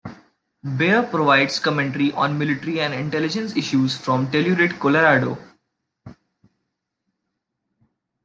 Baer provides commentary on military and intelligence issues from Telluride, Colorado.